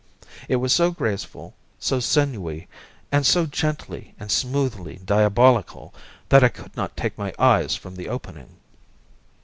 It was so graceful, so sinewy, and so gently and smoothly diabolical, that I could not take my eyes from the opening.